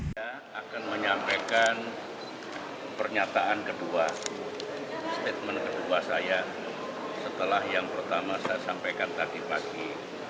saya akan menyampaikan pernyataan kedua statement kedua saya setelah yang pertama saya sampaikan tadi pagi